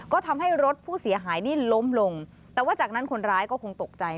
ก็ทำให้รถผู้เสียหายนี่ล้มลงแต่ว่าจากนั้นคนร้ายก็คงตกใจ